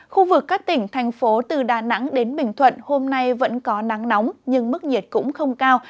khu vực các tỉnh thành phố từ đà nẵng đến bình thuận hôm nay vẫn có nắng nóng nhưng mức nhiệt cũng không cao